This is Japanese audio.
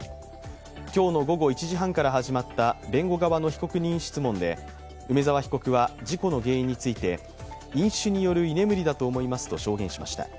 今日の午後１時半から始まった弁護側の被告人質問で梅沢被告は事故の原因について飲酒による居眠りだと思いますと証言しました。